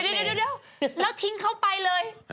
เดี๋ยวแล้วทิ้งเขาไปเลย